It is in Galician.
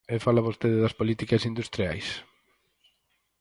E fala vostede das políticas industriais.